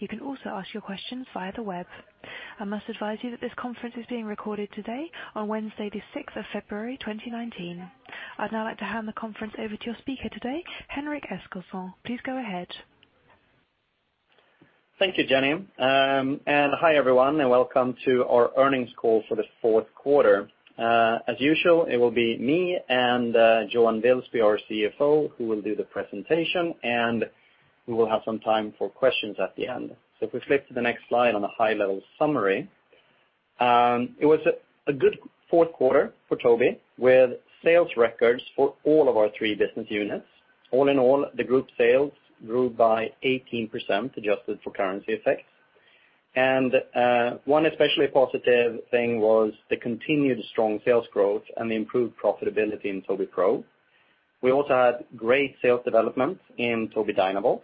You can also ask your questions via the web. I must advise you that this conference is being recorded today on Wednesday, the February 6th 2019. I'd now like to hand the conference over to your speaker today, Henrik Eskilsson. Please go ahead. Thank you, Jenny. Hi everyone, welcome to our Earnings Call for The Fourth Quarter. As usual, it will be me and Johan Wilsby, our CFO, who will do the presentation, we will have some time for questions at the end. If we flip to the next slide on the high-level summary. It was a good fourth quarter for Tobii, with sales records for all of our three business units. All in all, the group sales grew by 18%, adjusted for currency effects. One especially positive thing was the continued strong sales growth and the improved profitability in Tobii Pro. We also had great sales development in Tobii Dynavox,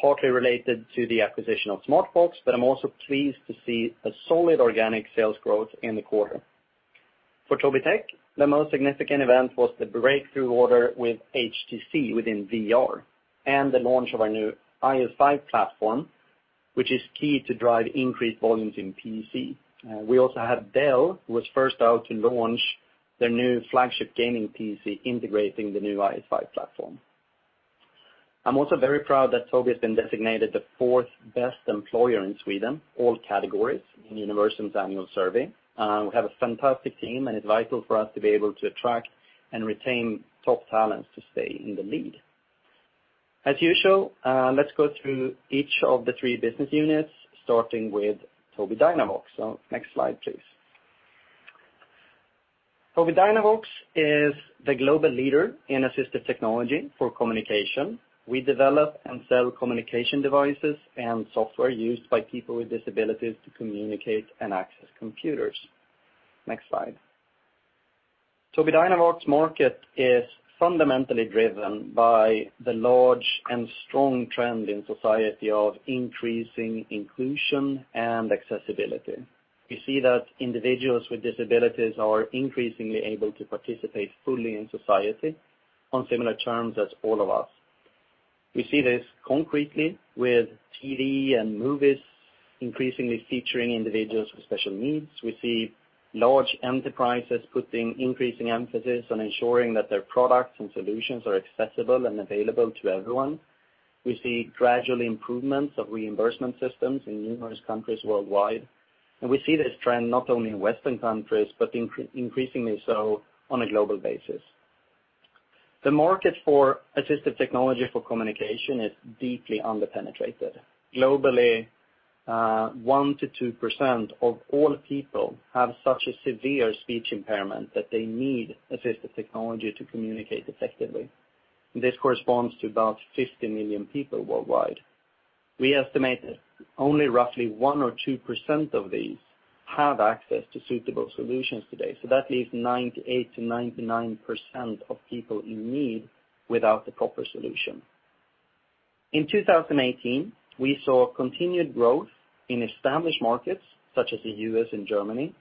partly related to the acquisition of Smartbox, I'm also pleased to see a solid organic sales growth in the quarter. For Tobii Tech, the most significant event was the breakthrough order with HTC within VR, the launch of our new IS5 platform, which is key to drive increased volumes in PC. We also had Dell, who was first out to launch their new flagship gaming PC integrating the new IS5 platform. I'm also very proud that Tobii has been designated the fourth best employer in Sweden, all categories in Universum's annual survey. We have a fantastic team, it's vital for us to be able to attract and retain top talents to stay in the lead. As usual, let's go through each of the three business units, starting with Tobii Dynavox. Next slide, please. Tobii Dynavox is the global leader in assistive technology for communication. We develop and sell communication devices and software used by people with disabilities to communicate and access computers. Next slide. Tobii Dynavox market is fundamentally driven by the large and strong trend in society of increasing inclusion and accessibility. We see that individuals with disabilities are increasingly able to participate fully in society on similar terms as all of us. We see this concretely with TV and movies increasingly featuring individuals with special needs. We see large enterprises putting increasing emphasis on ensuring that their products and solutions are accessible and available to everyone. We see gradual improvements of reimbursement systems in numerous countries worldwide, we see this trend not only in Western countries, but increasingly so on a global basis. The market for assistive technology for communication is deeply underpenetrated. Globally, 1%-2% of all people have such a severe speech impairment that they need assistive technology to communicate effectively. This corresponds to about 50 million people worldwide. We estimate that only roughly 1% or 2% of these have access to suitable solutions today. That leaves 98%-99% of people in need without the proper solution. In 2018, we saw continued growth in established markets such as the U.S. and Germany,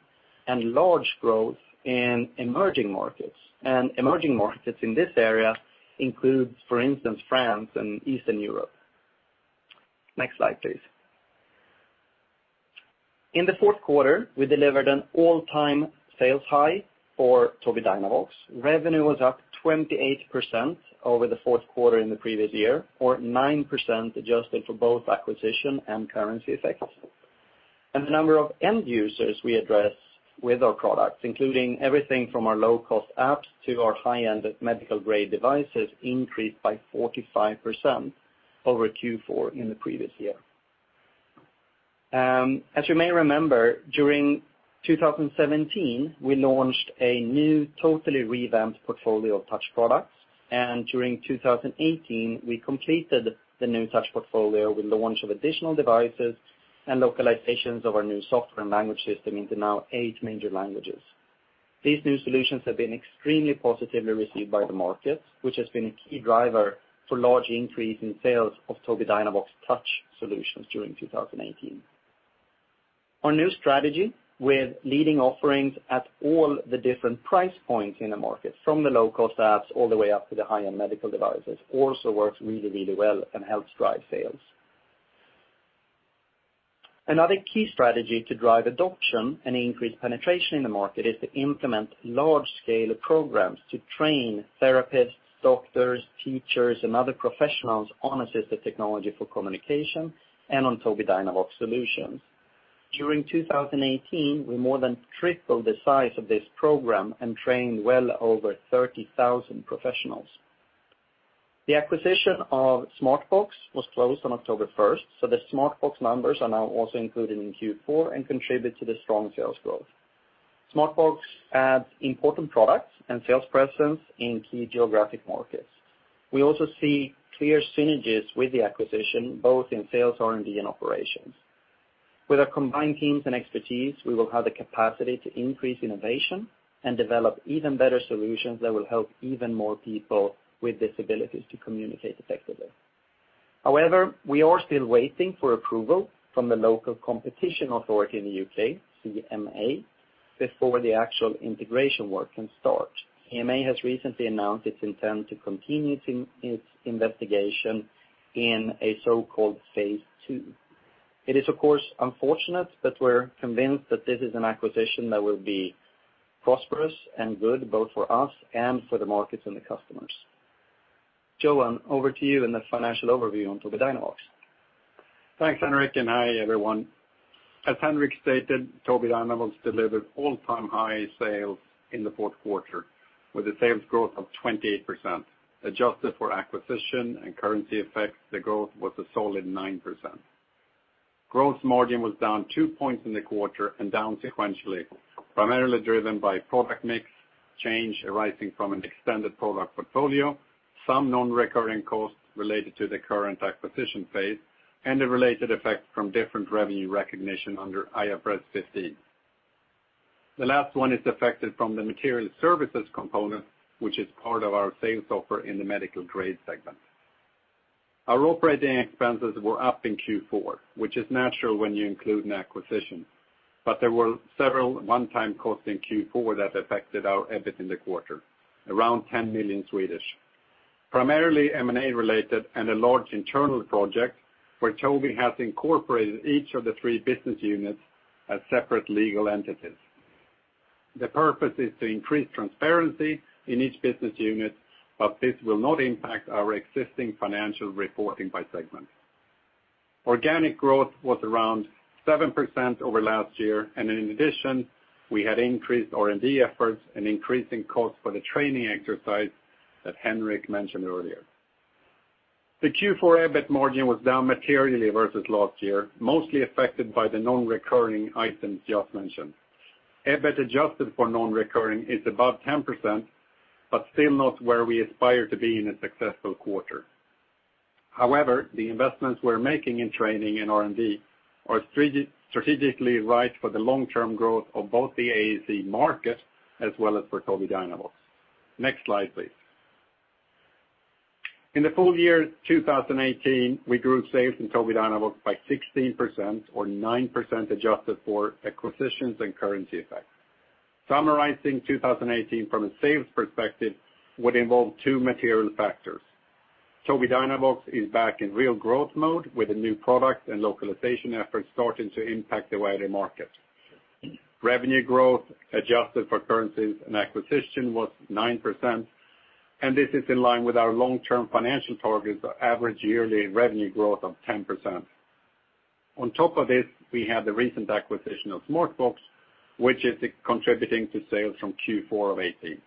and large growth in emerging markets. Emerging markets in this area includes, for instance, France and Eastern Europe. Next slide, please. In the fourth quarter, we delivered an all-time sales high for Tobii Dynavox. Revenue was up 28% over the fourth quarter in the previous year, or 9% adjusted for both acquisition and currency effects. The number of end users we address with our products, including everything from our low-cost apps to our high-end medical-grade devices, increased by 45% over Q4 in the previous year. As you may remember, during 2017, we launched a new totally revamped portfolio of touch products. During 2018, we completed the new touch portfolio with the launch of additional devices and localizations of our new software and language system into now eight major languages. These new solutions have been extremely positively received by the market, which has been a key driver for large increase in sales of Tobii Dynavox touch solutions during 2018. Our new strategy with leading offerings at all the different price points in the market, from the low-cost apps all the way up to the high-end medical devices, also works really, really well and helps drive sales. Another key strategy to drive adoption and increase penetration in the market is to implement large-scale programs to train therapists, doctors, teachers, and other professionals on assistive technology for communication and on Tobii Dynavox solutions. During 2018, we more than tripled the size of this program and trained well over 30,000 professionals. The acquisition of Smartbox was closed on October 1st. The Smartbox numbers are now also included in Q4 and contribute to the strong sales growth. Smartbox adds important products and sales presence in key geographic markets. We also see clear synergies with the acquisition, both in sales, R&D, and operations. With our combined teams and expertise, we will have the capacity to increase innovation and develop even better solutions that will help even more people with disabilities to communicate effectively. However, we are still waiting for approval from the local competition authority in the U.K., CMA. Before the actual integration work can start, CMA has recently announced its intent to continue its investigation in a so-called phase II. It is, of course, unfortunate. We're convinced that this is an acquisition that will be prosperous and good, both for us and for the markets and the customers. Johan Wilsby, over to you and the financial overview on Tobii Dynavox. Thanks, Henrik, and hi, everyone. As Henrik stated, Tobii Dynavox delivered all-time high sales in the fourth quarter with a sales growth of 28%. Adjusted for acquisition and currency effects, the growth was a solid 9%. Gross margin was down two points in the quarter and down sequentially, primarily driven by product mix change arising from an extended product portfolio, some non-recurring costs related to the current acquisition phase, and the related effect from different revenue recognition under IFRS 15. The last one is affected from the material services component, which is part of our sales offer in the medical grade segment. Our operating expenses were up in Q4, which is natural when you include an acquisition, but there were several one-time costs in Q4 that affected our EBIT in the quarter, around 10 million. Primarily M&A related and a large internal project where Tobii has incorporated each of the three business units as separate legal entities. The purpose is to increase transparency in each business unit, this will not impact our existing financial reporting by segment. Organic growth was around 7% over last year, and in addition, we had increased R&D efforts and increasing costs for the training exercise that Henrik mentioned earlier. The Q4 EBIT margin was down materially versus last year, mostly affected by the non-recurring items just mentioned. EBIT adjusted for non-recurring is above 10%, still not where we aspire to be in a successful quarter. However, the investments we're making in training and R&D are strategically right for the long-term growth of both the AAC market as well as for Tobii Dynavox. Next slide, please. In the full year 2018, we grew sales in Tobii Dynavox by 16%, or 9% adjusted for acquisitions and currency effects. Summarizing 2018 from a sales perspective would involve two material factors. Tobii Dynavox is back in real growth mode with the new product and localization efforts starting to impact the wider market. Revenue growth adjusted for currencies and acquisition was 9%, and this is in line with our long-term financial targets of average yearly revenue growth of 10%. On top of this, we had the recent acquisition of Smartbox, which is contributing to sales from Q4 of 2018.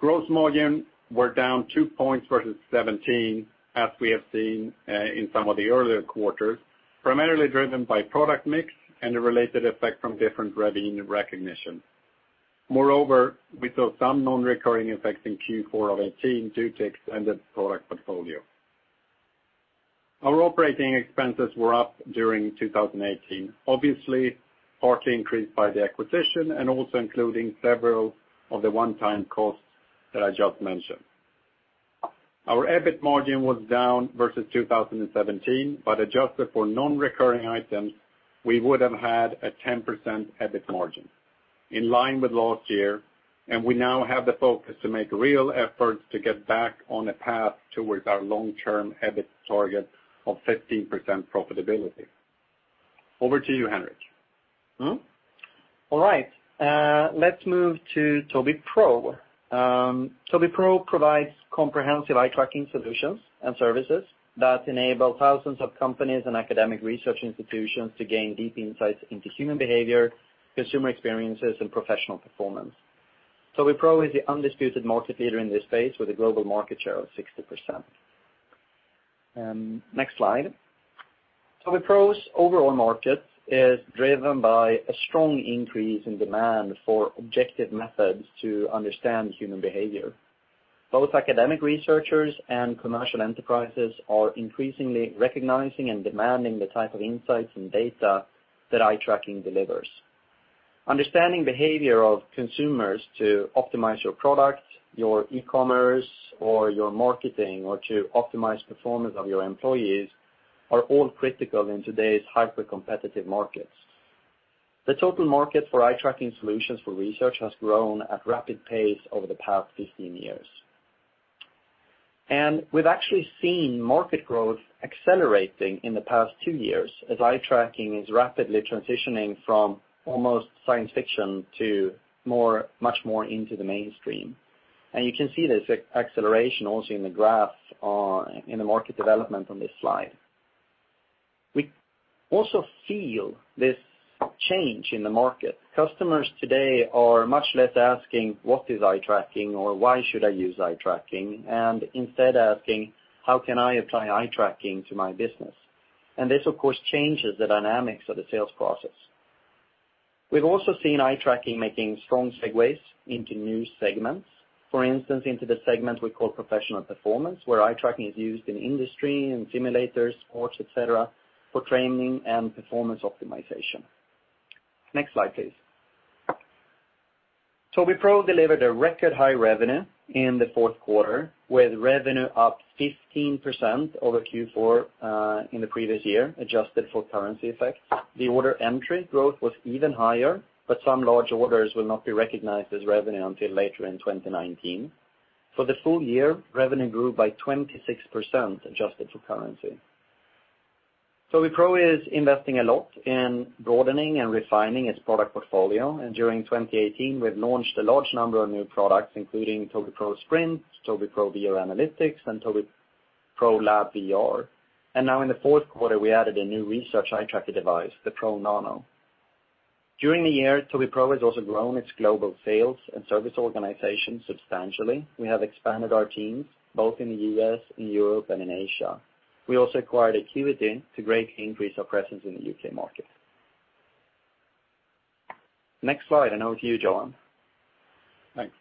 Gross margin were down two points versus 2017, as we have seen in some of the earlier quarters, primarily driven by product mix and the related effect from different revenue recognition. Moreover, we saw some non-recurring effects in Q4 of 2018 due to extended product portfolio. Our operating expenses were up during 2018, obviously partly increased by the acquisition and also including several of the one-time costs that I just mentioned. Our EBIT margin was down versus 2017, adjusted for non-recurring items, we would have had a 10% EBIT margin in line with last year, we now have the focus to make real efforts to get back on a path towards our long-term EBIT target of 15% profitability. Over to you, Henrik. All right. Let's move to Tobii Pro. Tobii Pro provides comprehensive eye tracking solutions and services that enable thousands of companies and academic research institutions to gain deep insights into human behavior, consumer experiences, and professional performance. Tobii Pro is the undisputed market leader in this space with a global market share of 60%. Next slide. Tobii Pro's overall market is driven by a strong increase in demand for objective methods to understand human behavior. Both academic researchers and commercial enterprises are increasingly recognizing and demanding the type of insights and data that eye tracking delivers. Understanding behavior of consumers to optimize your product, your e-commerce, or your marketing, or to optimize performance of your employees, are all critical in today's hyper-competitive markets. The total market for eye tracking solutions for research has grown at a rapid pace over the past 15 years. We've actually seen market growth accelerating in the past two years as eye tracking is rapidly transitioning from almost science fiction to much more into the mainstream. You can see this acceleration also in the graph in the market development on this slide. We also feel this change in the market. Customers today are much less asking, "What is eye tracking?" Or, "Why should I use eye tracking?" Instead asking, "How can I apply eye tracking to my business?" This, of course, changes the dynamics of the sales process. We've also seen eye tracking making strong segues into new segments. For instance, into the segment we call professional performance, where eye tracking is used in industry, in simulators, sports, et cetera, for training and performance optimization. Next slide, please. Tobii Pro delivered a record high revenue in the fourth quarter, with revenue up 15% over Q4 in the previous year, adjusted for currency effects. The order entry growth was even higher, but some large orders will not be recognized as revenue until later in 2019. For the full year, revenue grew by 26%, adjusted for currency. Tobii Pro is investing a lot in broadening and refining its product portfolio, and during 2018, we've launched a large number of new products, including Tobii Pro Sprint, Tobii Pro VR Analytics, and Tobii Pro Lab VR. Now in the fourth quarter, we added a new research eye tracker device, the Tobii Pro Nano. During the year, Tobii Pro has also grown its global sales and service organization substantially. We have expanded our teams both in the U.S., in Europe, and in Asia. We also acquired Acuity Intelligence to greatly increase our presence in the U.K. market. Next slide. Over to you, Johan. Thanks.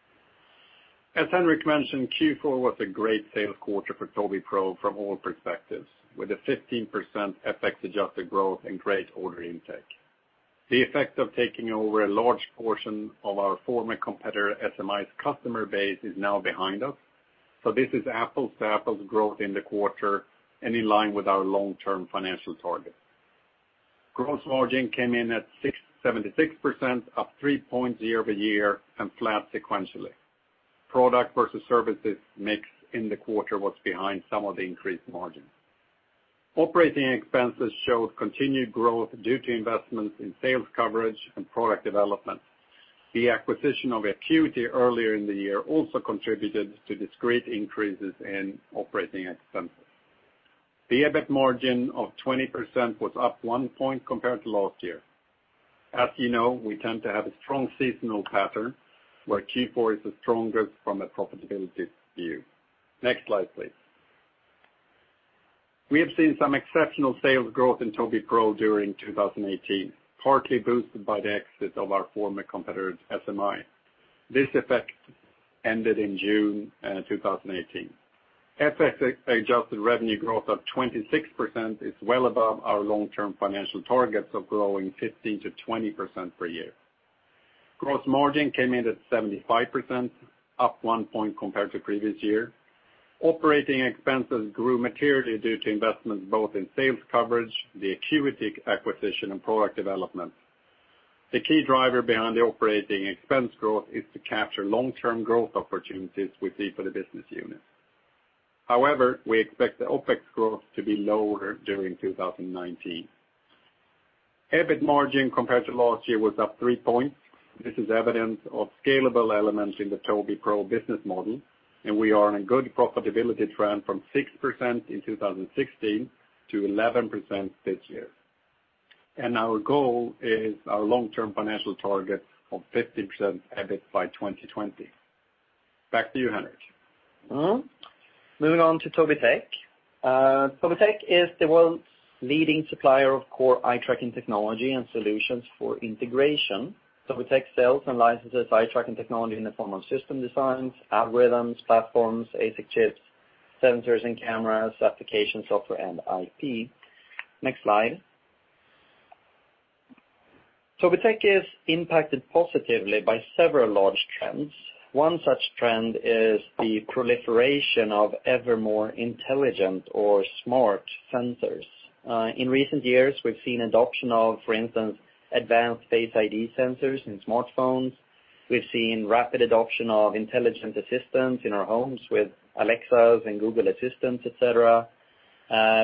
As Henrik mentioned, Q4 was a great sales quarter for Tobii Pro from all perspectives, with a 15% FX-adjusted growth and great order intake. The effect of taking over a large portion of our former competitor, SMI's customer base is now behind us. This is apples to apples growth in the quarter and in line with our long-term financial target. Gross margin came in at 76%, up three points year-over-year, and flat sequentially. Product versus services mix in the quarter was behind some of the increased margins. Operating expenses showed continued growth due to investments in sales coverage and product development. The acquisition of Acuity earlier in the year also contributed to discrete increases in operating expenses. The EBIT margin of 20% was up one point compared to last year. As you know, we tend to have a strong seasonal pattern, where Q4 is the strongest from a profitability view. Next slide, please. We have seen some exceptional sales growth in Tobii Pro during 2018, partly boosted by the exit of our former competitor, SMI. This effect ended in June 2018. FX-adjusted revenue growth of 26% is well above our long-term financial targets of growing 15%-20% per year. Gross margin came in at 75%, up one point compared to previous year. Operating expenses grew materially due to investments both in sales coverage, the Acuity acquisition, and product development. The key driver behind the operating expense growth is to capture long-term growth opportunities we see for the business unit. However, we expect the OpEx growth to be lower during 2019. EBIT margin compared to last year was up three points. This is evidence of scalable elements in the Tobii Pro business model. We are on a good profitability trend from 6% in 2016 to 11% this year. Our goal is our long-term financial target of 50% EBIT by 2020. Back to you, Henrik. Moving on to Tobii Tech. Tobii Tech is the world's leading supplier of core eye-tracking technology and solutions for integration. Tobii Tech sells and licenses eye-tracking technology in the form of system designs, algorithms, platforms, ASIC chips, sensors and cameras, application software, and IP. Next slide. Tobii Tech is impacted positively by several large trends. One such trend is the proliferation of ever more intelligent or smart sensors. In recent years, we've seen adoption of, for instance, advanced Face ID sensors in smartphones. We've seen rapid adoption of intelligent assistants in our homes with Alexas and Google Assistants, et cetera.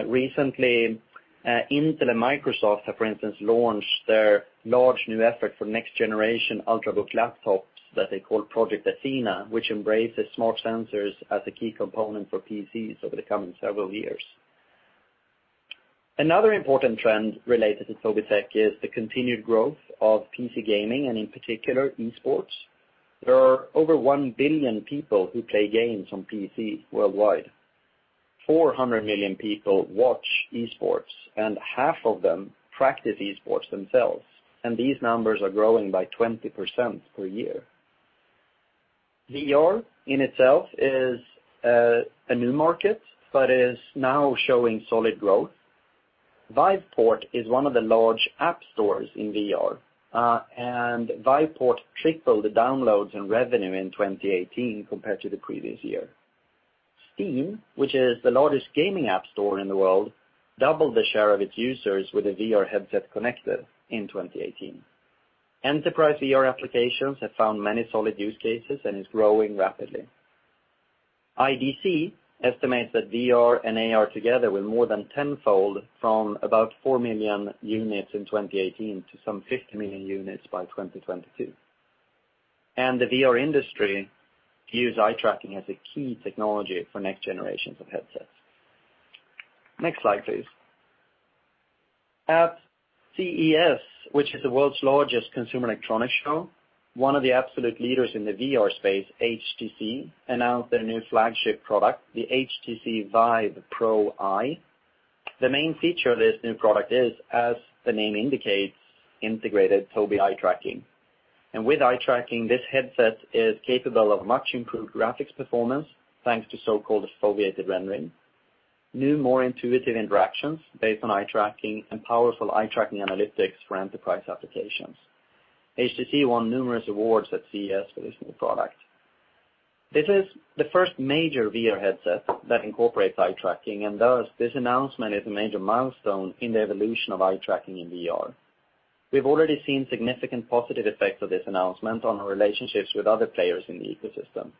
Recently, Intel and Microsoft have, for instance, launched their large new effort for next generation Ultrabook laptops that they call Project Athena, which embraces smart sensors as a key component for PCs over the coming several years. Another important trend related to Tobii Tech is the continued growth of PC gaming, and in particular, esports. There are over one billion people who play games on PC worldwide. 400 million people watch esports, and half of them practice esports themselves. These numbers are growing by 20% per year. VR in itself is a new market, but is now showing solid growth. Viveport is one of the large app stores in VR. Viveport tripled the downloads and revenue in 2018 compared to the previous year. Steam, which is the largest gaming app store in the world, doubled the share of its users with a VR headset connected in 2018. Enterprise VR applications have found many solid use cases and is growing rapidly. IDC estimates that VR and AR together will more than tenfold from about four million units in 2018 to some 50 million units by 2022. The VR industry views eye tracking as a key technology for next generations of headsets. Next slide, please. At CES, which is the world's largest consumer electronics show, one of the absolute leaders in the VR space, HTC, announced their new flagship product, the HTC VIVE Pro Eye. The main feature of this new product is, as the name indicates, integrated Tobii eye tracking. With eye tracking, this headset is capable of much improved graphics performance, thanks to so-called foveated rendering. New, more intuitive interactions based on eye tracking and powerful eye tracking analytics for enterprise applications. HTC won numerous awards at CES for this new product. This is the first major VR headset that incorporates eye tracking, and thus, this announcement is a major milestone in the evolution of eye tracking in VR. We've already seen significant positive effects of this announcement on our relationships with other players in the ecosystem.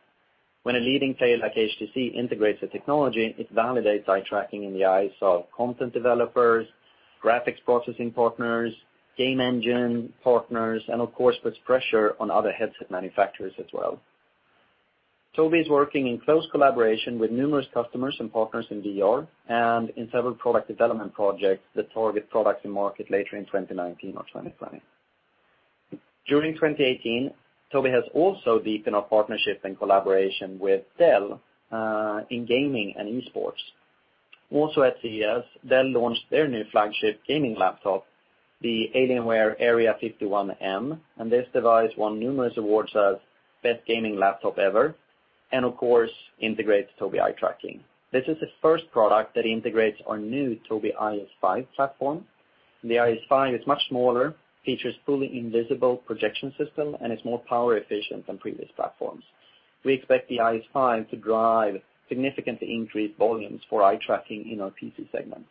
When a leading player like HTC integrates the technology, it validates eye tracking in the eyes of content developers, graphics processing partners, game engine partners, and of course, puts pressure on other headset manufacturers as well. Tobii is working in close collaboration with numerous customers and partners in VR and in several product development projects that target products in market later in 2019 or 2020. During 2018, Tobii has also deepened our partnership and collaboration with Dell in gaming and esports. Also at CES, Dell launched their new flagship gaming laptop, the Alienware Area-51m, and this device won numerous awards as best gaming laptop ever, and of course, integrates Tobii eye tracking. This is the first product that integrates our new Tobii IS5 platform. The IS5 is much smaller, features fully invisible projection system, and is more power efficient than previous platforms. We expect the IS5 to drive significantly increased volumes for eye tracking in our PC segment.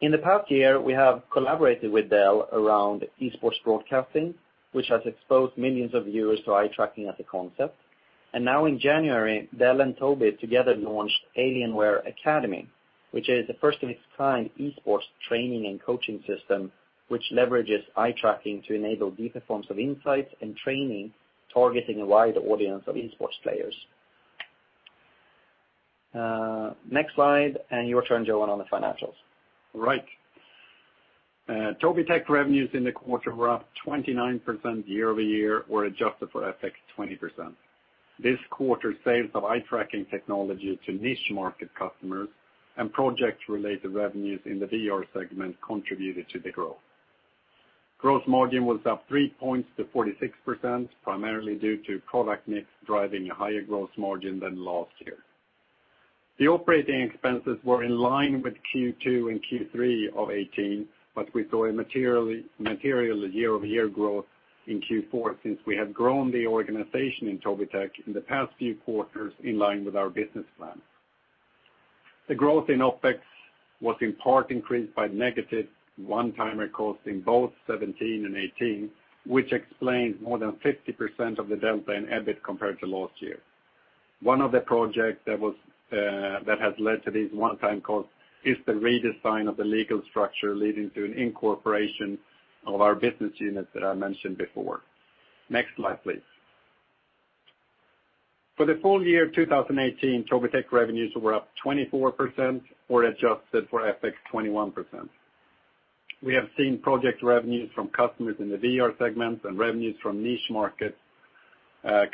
In the past year, we have collaborated with Dell around esports broadcasting, which has exposed millions of viewers to eye tracking as a concept. Now in January, Dell and Tobii together launched Alienware Academy, which is the first of its kind esports training and coaching system, which leverages eye tracking to enable deeper forms of insights and training, targeting a wide audience of esports players. Next slide. Your turn, Johan, on the financials. Right. Tobii Tech revenues in the quarter were up 29% year-over-year, or adjusted for FX, 20%. This quarter, sales of eye-tracking technology to niche market customers and project-related revenues in the VR segment contributed to the growth. Gross margin was up three points to 46%, primarily due to product mix driving a higher gross margin than last year. The operating expenses were in line with Q2 and Q3 of 2018, but we saw a material year-over-year growth in Q4 since we have grown the organization in Tobii Tech in the past few quarters in line with our business plan. The growth in OpEx was in part increased by negative one-time costs in both 2017 and 2018, which explains more than 50% of the delta in EBIT compared to last year. One of the projects that has led to these one-time costs is the redesign of the legal structure, leading to an incorporation of our business unit that I mentioned before. Next slide, please. For the full year 2018, Tobii Tech revenues were up 24%, or adjusted for FX, 21%. We have seen project revenues from customers in the VR segment and revenues from niche market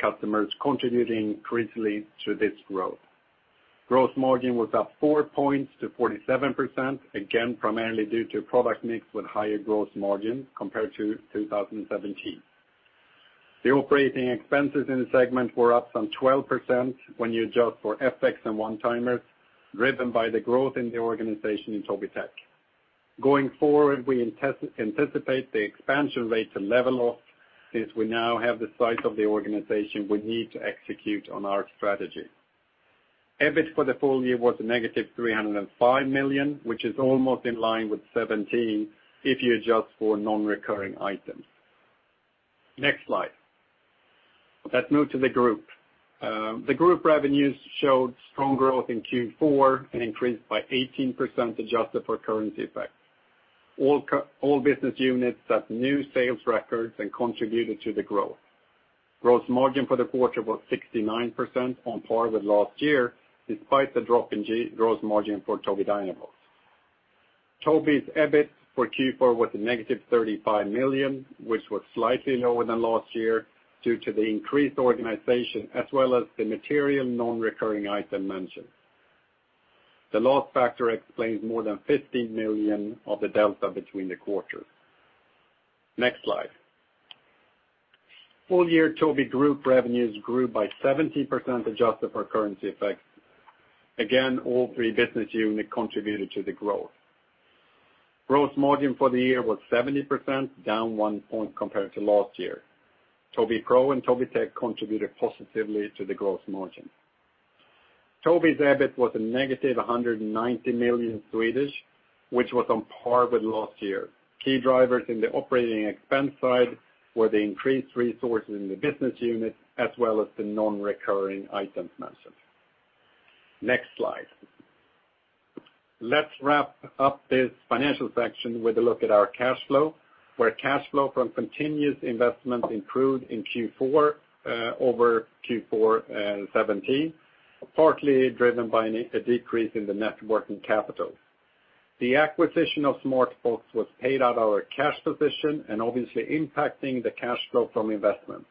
customers contributing critically to this growth. Gross margin was up four points to 47%, again, primarily due to product mix with higher gross margin compared to 2017. The operating expenses in the segment were up some 12% when you adjust for FX and one-timers, driven by the growth in the organization in Tobii Tech. Going forward, we anticipate the expansion rate to level off since we now have the size of the organization we need to execute on our strategy. EBIT for the full year was a negative 305 million, which is almost in line with 2017 if you adjust for non-recurring items. Next slide. Let's move to the group. The group revenues showed strong growth in Q4, increased by 18% adjusted for currency effects. All business units set new sales records and contributed to the growth. Gross margin for the quarter was 69%, on par with last year, despite the drop in gross margin for Tobii Dynavox. Tobii's EBIT for Q4 was a negative 35 million, which was slightly lower than last year due to the increased organization as well as the material non-recurring item mentioned. The last factor explains more than 15 million of the delta between the quarters. Next slide. Full-year Tobii group revenues grew by 17% adjusted for currency effects. Again, all three business units contributed to the growth. Gross margin for the year was 70%, down one point compared to last year. Tobii Pro and Tobii Tech contributed positively to the gross margin. Tobii's EBIT was a negative 190 million, which was on par with last year. Key drivers in the operating expense side were the increased resources in the business units as well as the non-recurring items mentioned. Next slide. Let's wrap up this financial section with a look at our cash flow, where cash flow from continuous investment improved in Q4 over Q4 2017, partly driven by a decrease in the net working capital. The acquisition of Smartbox was paid out of our cash position and obviously impacting the cash flow from investment.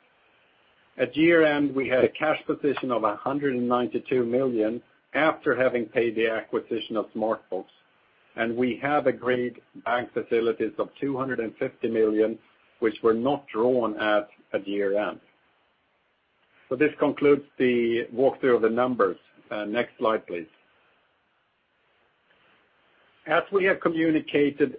At year-end, we had a cash position of 192 million after having paid the acquisition of Smartbox, and we have agreed bank facilities of 250 million, which were not drawn at year-end. This concludes the walkthrough of the numbers. Next slide, please. As we have communicated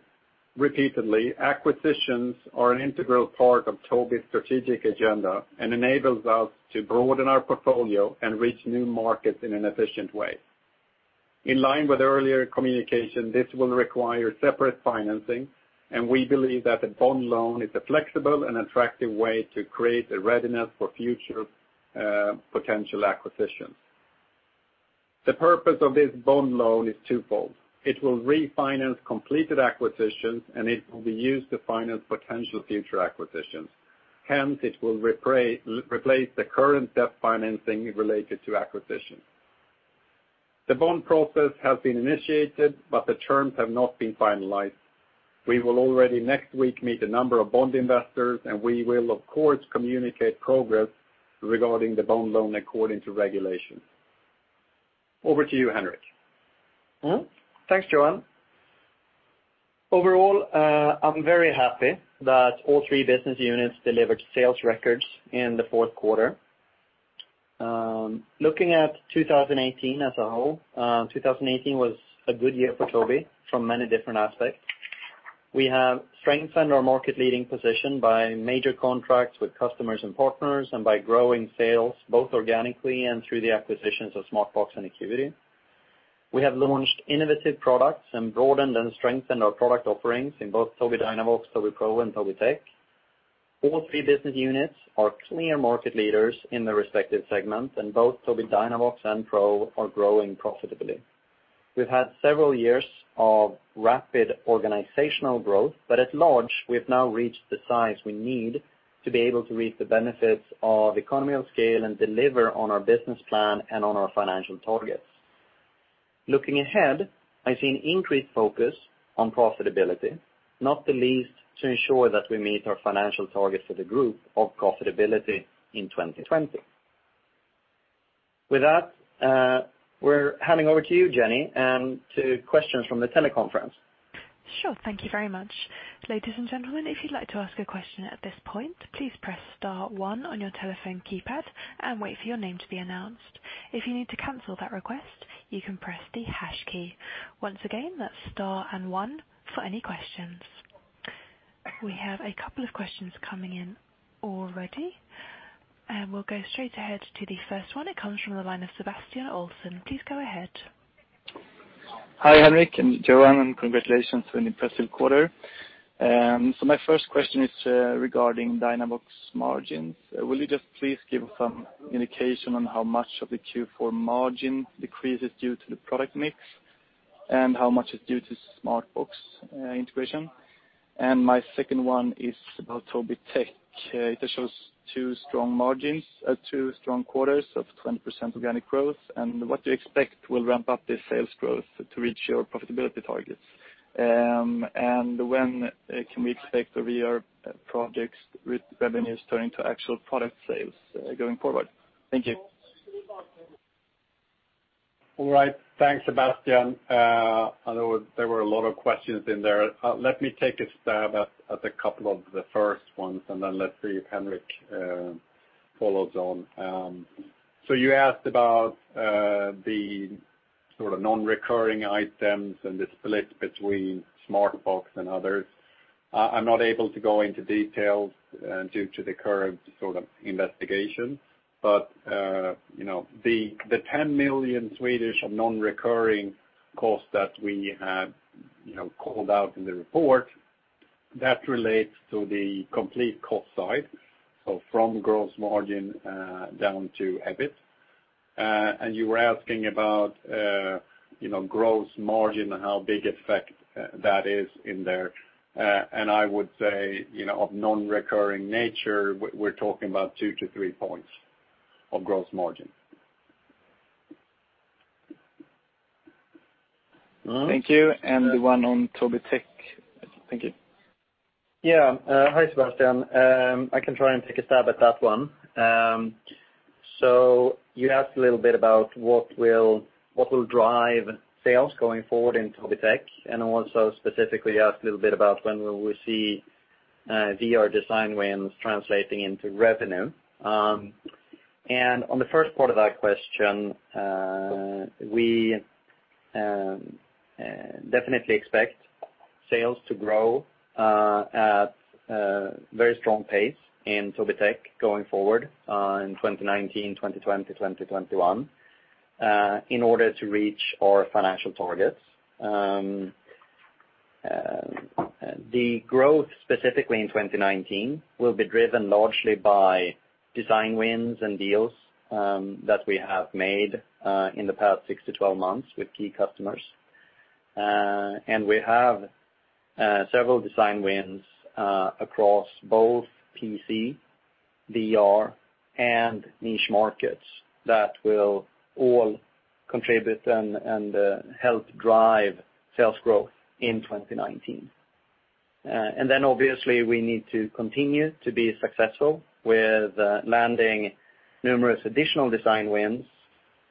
repeatedly, acquisitions are an integral part of Tobii's strategic agenda and enables us to broaden our portfolio and reach new markets in an efficient way. In line with earlier communication, this will require separate financing, and we believe that the bond loan is a flexible and attractive way to create a readiness for future potential acquisitions. The purpose of this bond loan is twofold. It will refinance completed acquisitions, and it will be used to finance potential future acquisitions. Hence, it will replace the current debt financing related to acquisitions. The bond process has been initiated, but the terms have not been finalized. We will already next week meet a number of bond investors, and we will, of course, communicate progress regarding the bond loan according to regulations. Over to you, Henrik. Thanks, Johan. Overall, I'm very happy that all three business units delivered sales records in the fourth quarter. Looking at 2018 as a whole, 2018 was a good year for Tobii from many different aspects. We have strengthened our market-leading position by major contracts with customers and partners and by growing sales both organically and through the acquisitions of Smartbox and Acuity. We have launched innovative products and broadened and strengthened our product offerings in both Tobii Dynavox, Tobii Pro, and Tobii Tech. All three business units are clear market leaders in their respective segments, and both Tobii Dynavox and Pro are growing profitably. We've had several years of rapid organizational growth, but at large, we've now reached the size we need to be able to reap the benefits of economy of scale and deliver on our business plan and on our financial targets. Looking ahead, I see an increased focus on profitability, not the least to ensure that we meet our financial target for the group of profitability in 2020. With that, we're handing over to you, Jenny, and to questions from the teleconference. Sure. Thank you very much. Ladies and gentlemen, if you'd like to ask a question at this point, please press star one on your telephone keypad and wait for your name to be announced. If you need to cancel that request, you can press the hash key. Once again, that's star and one for any questions. We have a couple of questions coming in already. We'll go straight ahead to the first one. It comes from the line of Sebastian Olsen. Please go ahead. Hi, Henrik and Johan, congratulations for an impressive quarter. My first question is regarding Dynavox margins. Will you just please give some indication on how much of the Q4 margin decrease is due to the product mix, and how much is due to Smartbox integration? My second one is about Tobii Tech. It shows two strong quarters of 20% organic growth, what do you expect will ramp up the sales growth to reach your profitability targets? When can we expect the VR projects with revenues turning to actual product sales going forward? Thank you. All right. Thanks, Sebastian. I know there were a lot of questions in there. Let me take a stab at a couple of the first ones, then let's see if Henrik follows on. You asked about the non-recurring items and the split between Smartbox and others. I'm not able to go into details due to the current investigation, but the 10 million non-recurring cost that we have called out in the report, that relates to the complete cost side, from gross margin down to EBIT. You were asking about gross margin and how big effect that is in there. I would say, of non-recurring nature, we're talking about two to three points of gross margin. Thank you. The one on Tobii Tech. Thank you. Thank you. Yeah. Hi, Sebastian. I can try and take a stab at that one. You asked a little bit about what will drive sales going forward in Tobii Tech, and also specifically asked a little bit about when will we see VR design wins translating into revenue. On the first part of that question, we definitely expect sales to grow at a very strong pace in Tobii Tech going forward in 2019, 2020, 2021, in order to reach our financial targets. The growth specifically in 2019 will be driven largely by design wins and deals that we have made in the past six to 12 months with key customers. We have several design wins across both PC, VR, and niche markets that will all contribute and help drive sales growth in 2019. Obviously, we need to continue to be successful with landing numerous additional design wins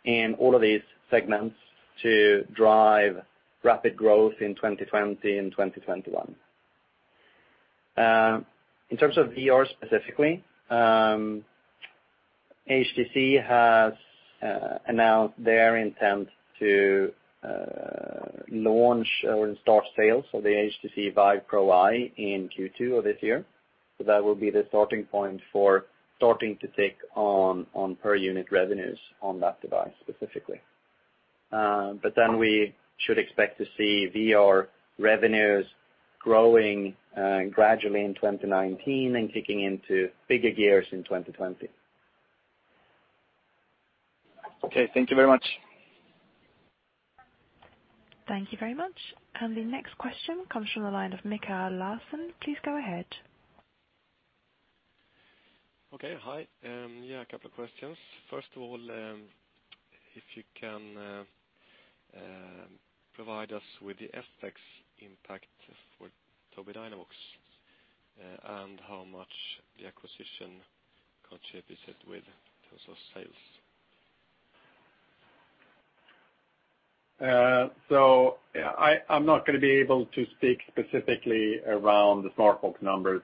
in all of these segments to drive rapid growth in 2020 and 2021. In terms of VR specifically, HTC has announced their intent to launch or start sales of the HTC VIVE Pro Eye in Q2 of this year. That will be the starting point for starting to take on per unit revenues on that device specifically. We should expect to see VR revenues growing gradually in 2019 and kicking into bigger gears in 2020. Thank you very much. Thank you very much. The next question comes from the line of Mikael Larsson. Please go ahead. Hi. A couple of questions. First of all, if you can provide us with the FX impact for Tobii Dynavox, and how much the acquisition contributes it with in terms of sales. I'm not going to be able to speak specifically around the Smartbox numbers,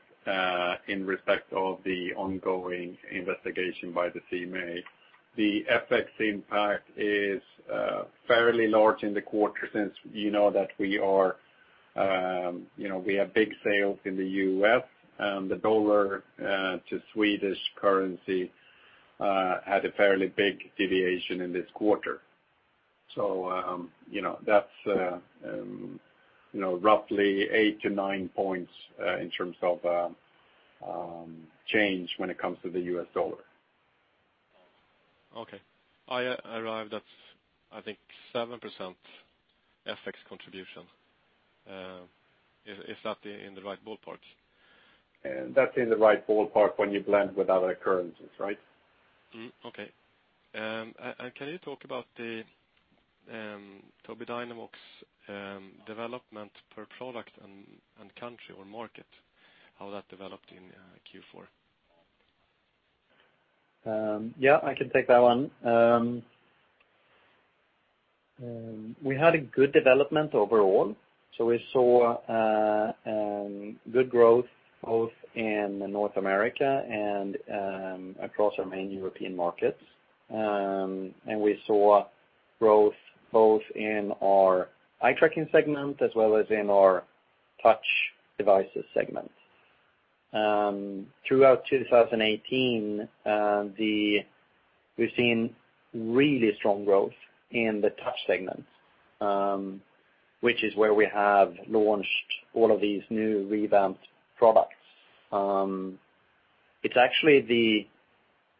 in respect of the ongoing investigation by the CMA. The FX impact is fairly large in the quarter since you know that we have big sales in the U.S., and the dollar to Swedish currency had a fairly big deviation in this quarter. That's roughly eight to nine points in terms of change when it comes to the U.S. dollar. Okay. I arrived at, I think, 7% FX contribution. Is that in the right ballpark? That's in the right ballpark when you blend with other currencies, right? Okay. Can you talk about the Tobii Dynavox development per product and country or market? How that developed in Q4? Yeah, I can take that one. We had a good development overall. We saw good growth both in North America and across our main European markets. We saw growth both in our eye tracking segment as well as in our touch devices segment. Throughout 2018, we've seen really strong growth in the touch segment, which is where we have launched all of these new revamped products. It's actually the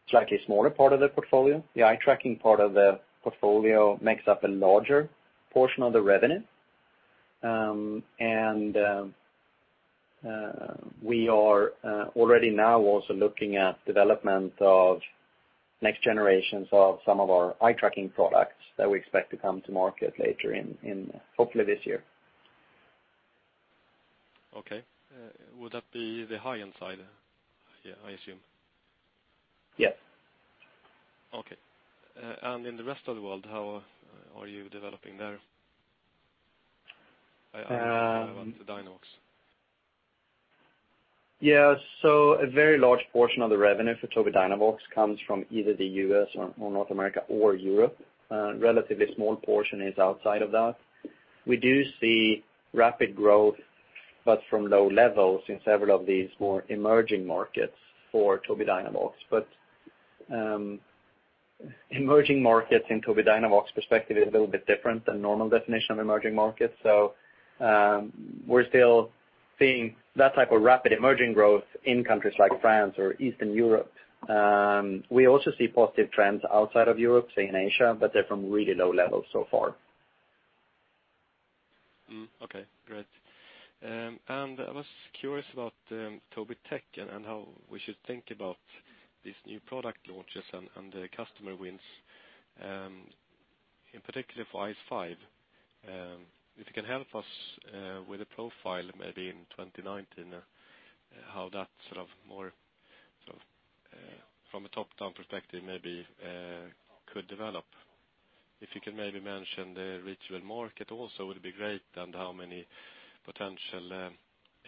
slightly smaller part of the portfolio. The eye tracking part of the portfolio makes up a larger portion of the revenue. We are already now also looking at development of next generations of some of our eye tracking products that we expect to come to market later in, hopefully this year. Okay. Would that be the high-end side? I assume. Yes. In the rest of the world, how are you developing there? I mean, with Tobii Dynavox. Yeah. A very large portion of the revenue for Tobii Dynavox comes from either the U.S. or North America or Europe. A relatively small portion is outside of that. We do see rapid growth, but from low levels in several of these more emerging markets for Tobii Dynavox. Emerging markets in Tobii Dynavox perspective is a little bit different than normal definition of emerging markets. We're still seeing that type of rapid emerging growth in countries like France or Eastern Europe. We also see positive trends outside of Europe, say in Asia, but they're from really low levels so far. Okay, great. I was curious about Tobii Tech and how we should think about these new product launches and the customer wins, in particular for Tobii IS5. If you can help us with a profile, maybe in 2019, how that from a top-down perspective maybe could develop. If you can maybe mention the VR market also, would be great, and how many potential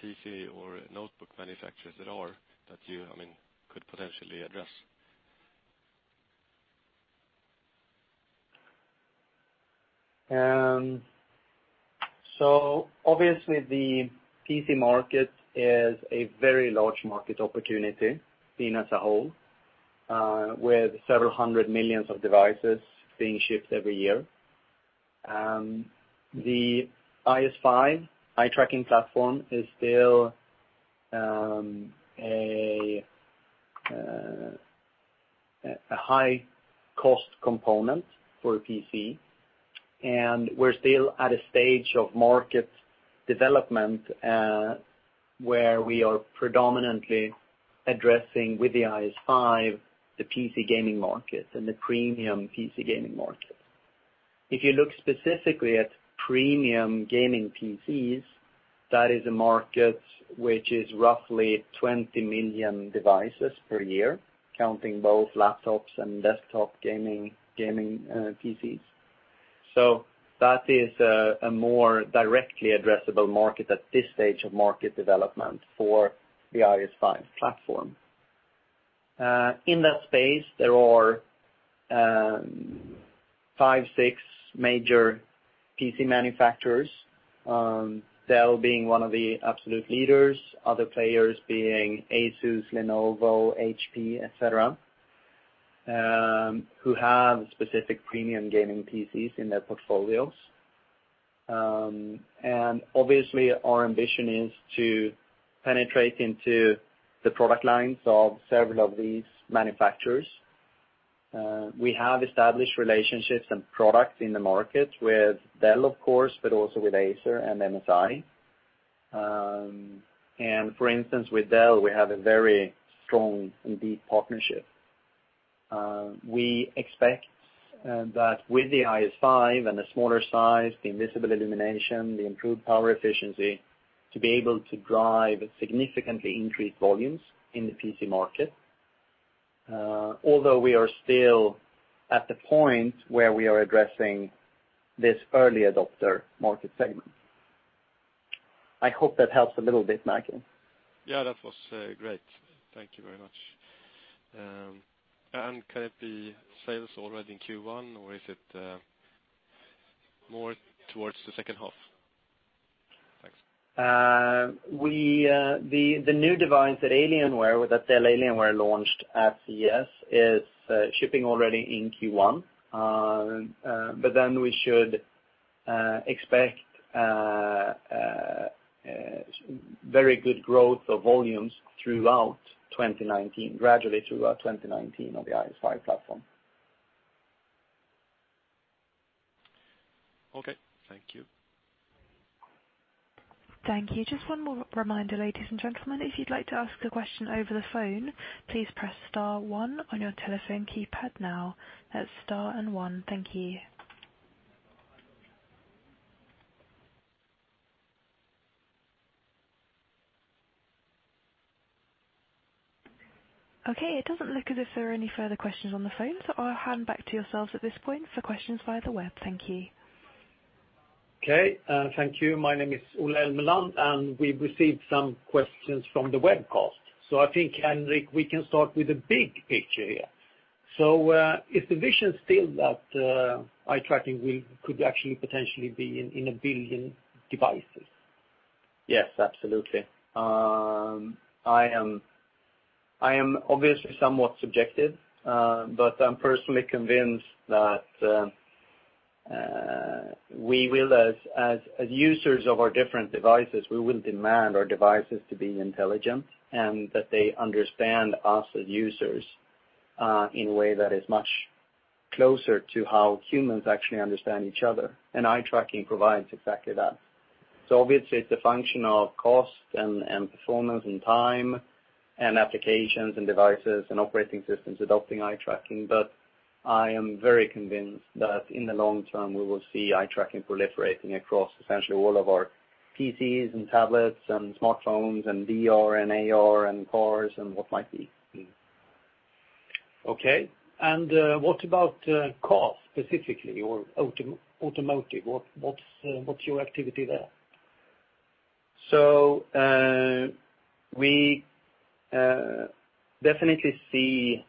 PC or notebook manufacturers there are that you could potentially address. Obviously the PC market is a very large market opportunity seen as a whole, with several hundred million devices being shipped every year. The IS5 eye tracking platform is still a high-cost component for a PC. We are still at a stage of market development, where we are predominantly addressing with the IS5, the PC gaming market and the premium PC gaming market. If you look specifically at premium gaming PCs, that is a market which is roughly 20 million devices per year, counting both laptops and desktop gaming PCs. That is a more directly addressable market at this stage of market development for the IS5 platform. In that space, there are five, six major PC manufacturers, Dell being one of the absolute leaders, other players being ASUS, Lenovo, HP, et cetera, who have specific premium gaming PCs in their portfolios. Obviously, our ambition is to penetrate into the product lines of several of these manufacturers. We have established relationships and products in the market with Dell, of course, but also with Acer and MSI. For instance, with Dell, we have a very strong and deep partnership. We expect that with the IS5 and the smaller size, the invisible illumination, the improved power efficiency, to be able to drive significantly increased volumes in the PC market. Although we are still at the point where we are addressing this early adopter market segment. I hope that helps a little bit, Martin. Yeah, that was great. Thank you very much. Can it be sales already in Q1, or is it more towards the second half? Thanks. The new device that Dell Alienware launched at CES is shipping already in Q1. We should expect very good growth of volumes throughout 2019, gradually throughout 2019 on the IS5 platform. Okay. Thank you. Thank you. Just one more reminder, ladies and gentlemen, if you'd like to ask a question over the phone, please press star one on your telephone keypad now. That's star and one. Thank you. Okay, it doesn't look as if there are any further questions on the phone. I'll hand back to yourselves at this point for questions via the web. Thank you. Okay. Thank you. My name is Ola Elmeland. We've received some questions from the webcast. I think, Henrik, we can start with the big picture here. Is the vision still that eye tracking could actually potentially be in one billion devices? Yes, absolutely. I am obviously somewhat subjective, but I'm personally convinced that as users of our different devices, we will demand our devices to be intelligent and that they understand us as users, in a way that is much closer to how humans actually understand each other. Eye tracking provides exactly that. Obviously, it's a function of cost and performance and time and applications and devices and operating systems adopting eye tracking. I am very convinced that in the long term, we will see eye tracking proliferating across essentially all of our PCs and tablets and smartphones and VR and AR and cars and what might be. Okay. What about cars specifically or automotive? What's your activity there? We definitely see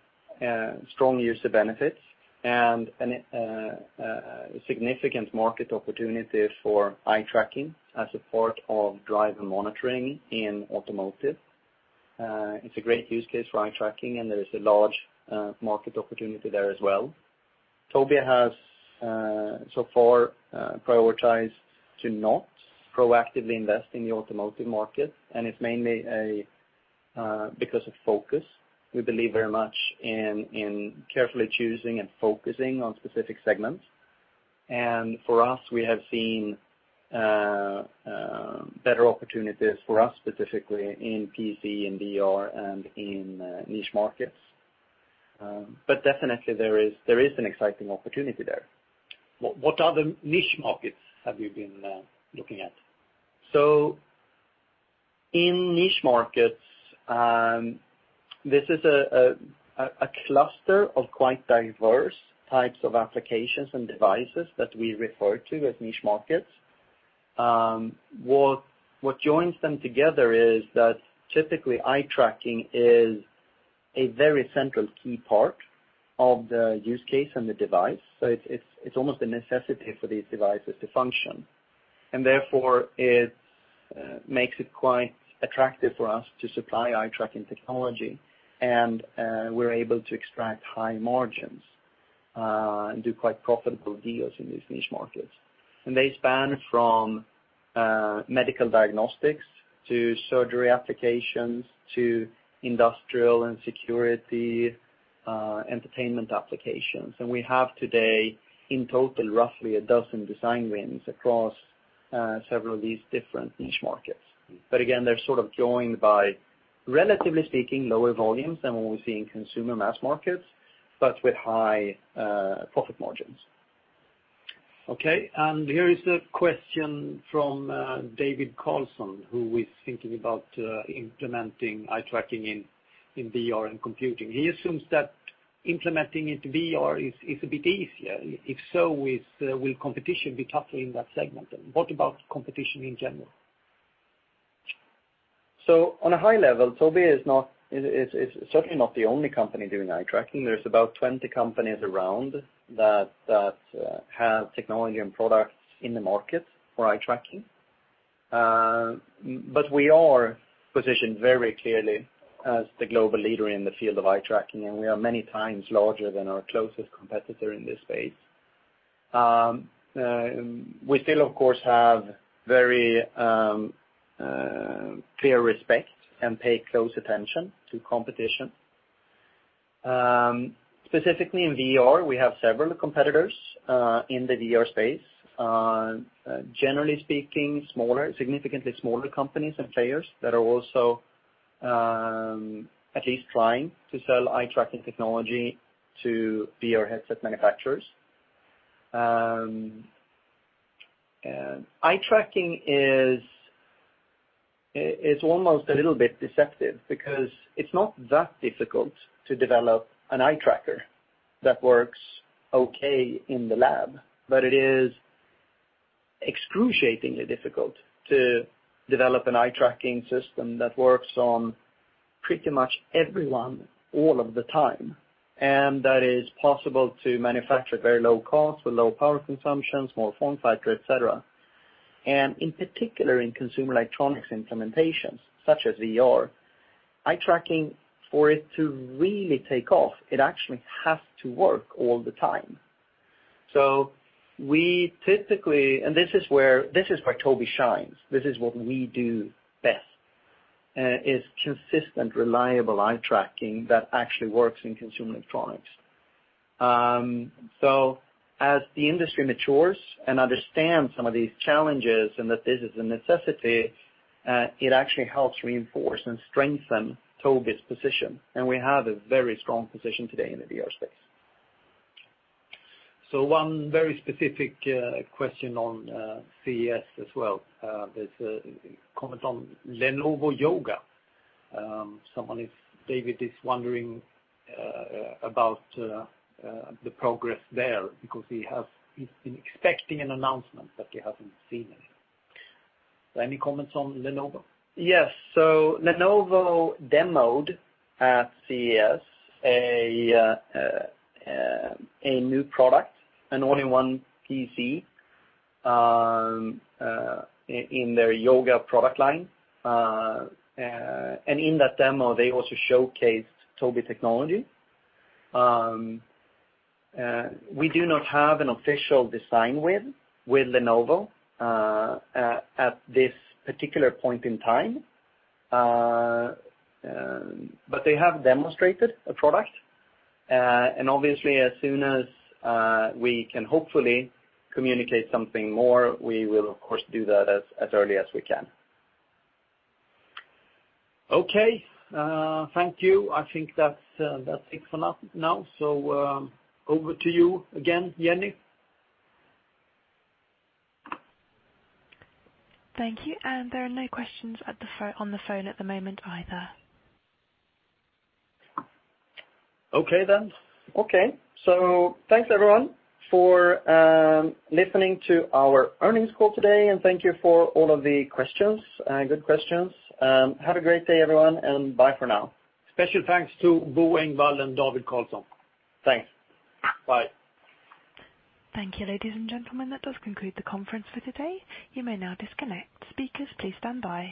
strong user benefits and a significant market opportunity for eye tracking as support of driver monitoring in automotive. It's a great use case for eye tracking, there is a large market opportunity there as well. Tobii has so far prioritized to not proactively invest in the automotive market, it's mainly because of focus. We believe very much in carefully choosing and focusing on specific segments. For us, we have seen better opportunities for us specifically in PC and VR and in niche markets. Definitely there is an exciting opportunity there. What other niche markets have you been looking at? In niche markets, this is a cluster of quite diverse types of applications and devices that we refer to as niche markets. What joins them together is that typically eye tracking is a very central key part of the use case and the device. It's almost a necessity for these devices to function. Therefore, it makes it quite attractive for us to supply eye-tracking technology, we are able to extract high margins, do quite profitable deals in these niche markets. They span from medical diagnostics to surgery applications to industrial and security, entertainment applications. We have today, in total, roughly 12 design wins across several of these different niche markets. Again, they are sort of joined by, relatively speaking, lower volumes than what we see in consumer mass markets, but with high profit margins. Here is a question from David Karlsson, who is thinking about implementing eye tracking in VR and computing. He assumes that implementing into VR is a bit easier. If so, will competition be tougher in that segment? What about competition in general? On a high level, Tobii is certainly not the only company doing eye tracking. There's about 20 companies around that have technology and products in the market for eye tracking. We are positioned very clearly as the global leader in the field of eye tracking, and we are many times larger than our closest competitor in this space. We still, of course, have very clear respect and pay close attention to competition. Specifically in VR, we have several competitors in the VR space. Generally speaking, significantly smaller companies and players that are also at least trying to sell eye-tracking technology to VR headset manufacturers. Eye tracking is almost a little bit deceptive because it's not that difficult to develop an eye tracker that works okay in the lab, but it is excruciatingly difficult to develop an eye-tracking system that works on pretty much everyone all of the time, and that is possible to manufacture at very low cost with low power consumptions, small form factor, et cetera. In particular, in consumer electronics implementations such as VR, eye tracking, for it to really take off, it actually has to work all the time. We typically, and this is where Tobii shines, this is what we do best, is consistent, reliable eye tracking that actually works in consumer electronics. As the industry matures and understands some of these challenges and that this is a necessity, it actually helps reinforce and strengthen Tobii's position. We have a very strong position today in the VR space. One very specific question on CES as well. There is a comment on Lenovo Yoga. Someone is, David, is wondering about the progress there because he has been expecting an announcement, but he has not seen any. Any comments on Lenovo? Yes. Lenovo demoed at CES a new product, an all-in-one PC, in their Yoga product line. In that demo, they also showcased Tobii technology. We do not have an official design win with Lenovo at this particular point in time. They have demonstrated a product. Obviously, as soon as we can hopefully communicate something more, we will of course do that as early as we can. Okay. Thank you. I think that is it for now. Over to you again, Jenny. Thank you. There are no questions on the phone at the moment either. Okay. Okay. Thanks, everyone, for listening to our earnings call today. Thank you for all of the questions, good questions. Have a great day, everyone. Bye for now. Special thanks to Bo Engwall and David Karlsson. Thanks. Bye. Thank you, ladies and gentlemen. That does conclude the conference for today. You may now disconnect. Speakers, please stand by.